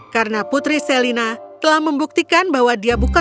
karena putri selena telah membuktikan bahwa dia berpengalaman